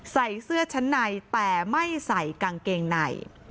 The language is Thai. ใส่เสื้อชั้นในแต่ไม่ใส่กางเกงใน